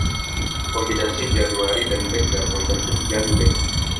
Kombinasi Januari dan Decker membentuk Jan-deck.